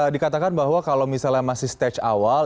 dikatakan bahwa kalau misalnya masih stage awal